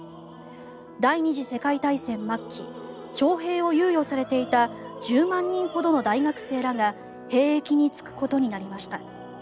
第２次世界大戦末期徴兵を猶予されていた１０万人ほどの大学生らが兵役に就くことになりました。